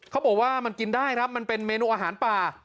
เขาบอกว่ามันกินได้ครับมันเป็นเมนูอาหารป่า